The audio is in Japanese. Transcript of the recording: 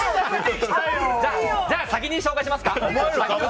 じゃあ先に紹介しますか。